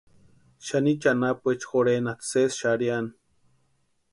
Xanichu anapuecha jorhenasti sési xarhiani.